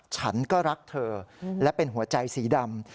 ฉันก็รักเธอและเป็นหัวใจสีดำ